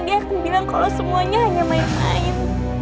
dia aku bilang kalau semuanya hanya main main